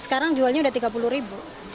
sekarang jualnya udah rp tiga puluh